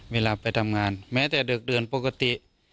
เวลาไปทำงานแม้แต่เด็กเดือนปกติ